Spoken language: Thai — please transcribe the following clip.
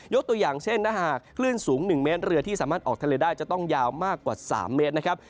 ตัวอย่างเช่นถ้าหากคลื่นสูง๑เมตรเรือที่สามารถออกทะเลได้จะต้องยาวมากกว่า๓เมตรนะครับ